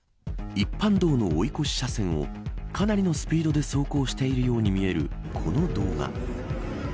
一般道の追い越し車線をかなりのスピードで走行しているように見えるこの動画。